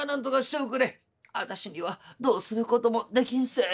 「あたしにはどうすることもできんすえ」。